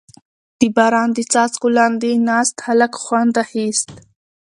• د باران د څاڅکو لاندې ناست هلک خوند اخیست.